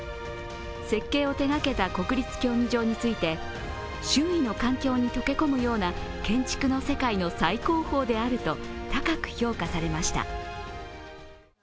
設計を手がけた国立競技場について、周囲の環境に溶け込むような建築の世界の最高峰であると高く評価されました。